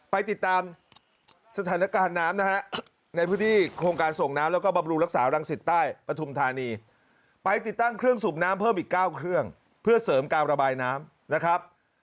ไปติดตามสถานการณ์น้ำนะฮะในพื้นที่โครงการส่งน้ำแล้วก็บำรุงรักษารังสิตใต้ปฐุมธานีไปติดตั้งเครื่องสูบน้ำเพิ่มอีก๙เครื่องเพื่อเสริมการระบายน้ำนะครับ